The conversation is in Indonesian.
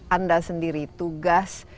anda sendiri tugas